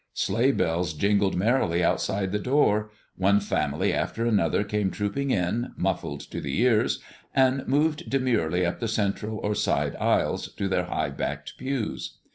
Sleigh bells jingled merrily outside the door; one family after another came trooping in, muffled to the ears, and moved demurely up the central or side aisles to their high backed pews.